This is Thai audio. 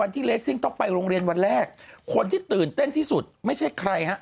ที่เลสซิ่งต้องไปโรงเรียนวันแรกคนที่ตื่นเต้นที่สุดไม่ใช่ใครฮะ